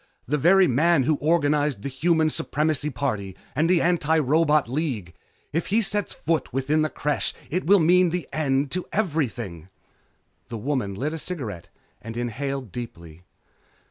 The very man who organized the Human Supremacy Party and the Antirobot League! If he sets foot within the Creche it will mean an end to everything!" The woman lit a cigarette and inhaled deeply.